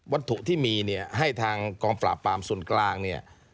วัตถุที่มีเนี่ยให้ทางกองปราบปรามส่วนกลางเนี่ย